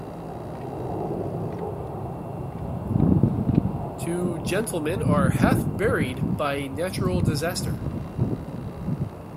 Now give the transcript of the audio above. Two gentlemen are half buried by a natural disaster